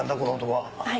はい。